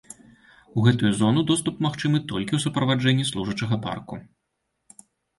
У гэтую зону доступ магчымы толькі ў суправаджэнні служачага парку.